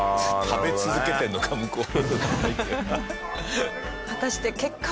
食べ続けてるのか向こう。